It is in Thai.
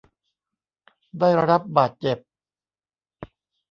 ได้รับบาดเจ็บ